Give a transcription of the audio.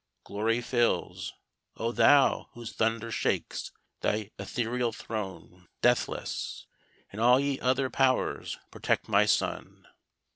glory fills O thou, whose thunder shakes th' ethereal throne, deathless And all ye other powers protect my son!